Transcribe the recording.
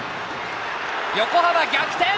横浜、逆転！